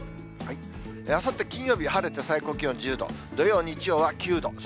あさって金曜日、晴れて最高気温１０度、土曜、日曜は９度。